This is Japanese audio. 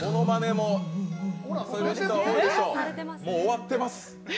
もう終わってます。